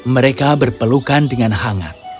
mereka berpelukan dengan hangat